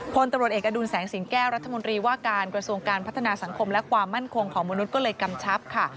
พลตำรวจเอกอดุลแสงสิงแก้วรัฐมนตรีว่าการกระทรวงการพัฒนาสังคมและความมั่นคงของมนุษย์ก็เลยกำชับค่ะ